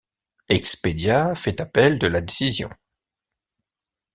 Expedia fait appel de la décision.